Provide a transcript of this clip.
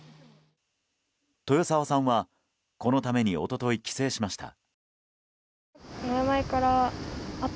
豊沢さんはこのために一昨日、帰省しました。